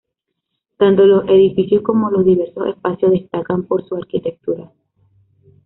Tanto los edificios como los diversos espacios destacan por su arquitectura.